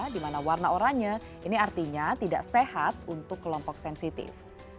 di mana warna oranye ini artinya tidak sehat untuk kelompok sensitif